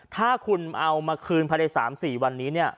ถ้าคุณเอามาคืนภายใน๓๔วันนี้เนี่ย